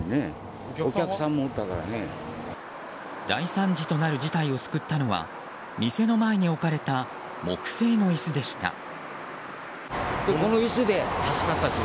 大惨事となる事態を救ったのは店の前に置かれた木製の椅子でした。